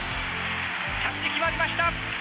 着地決まりました。